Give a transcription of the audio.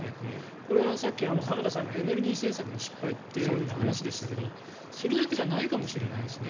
これはさっき、浜田さんがエネルギー政策の失敗という話でしたがそれだけじゃないかもしれないですね。